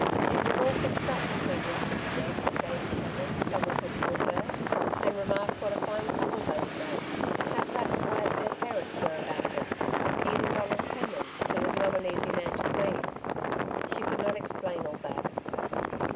It was all fixed up between Ross's Jess and Davey Cameron, someone had told her, and remarked what a fine couple they would make, and how satisfied their parents were about it even Donald Cameron, who was not an easy man to please. She could not explain all that.